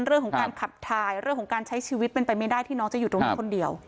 เรื่องของการขับถ่ายเรื่องของการใช้ชีวิตเป็นไปไม่ได้ที่น้องจะอยู่ตรงนี้คนเดียว